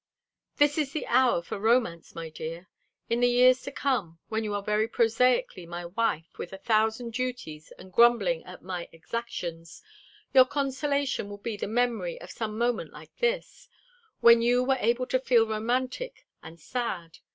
"This is the hour for romance, my dear. In the years to come, when you are very prosaically my wife with a thousand duties, and grumbling at my exactions, your consolation will be the memory of some moment like this, when you were able to feel romantic and sad.